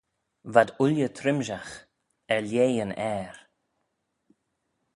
V'ad ooilley trimshagh - er lheh yn ayr.